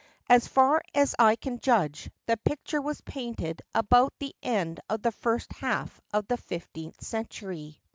As far as I can judge, the picture was painted about the end of the first half of the fifteenth century.